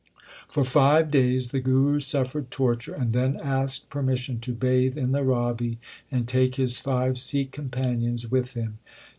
For five days the Guru suffered torture and then asked permission to bathe in the Ravi and take his five Sikh companions with him.